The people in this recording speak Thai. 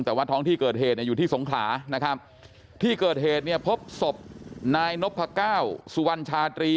แต่ว่าท้องที่เกิดเหตุเนี่ยอยู่ที่สงขลานะครับที่เกิดเหตุเนี่ยพบศพนายนพก้าวสุวรรณชาตรี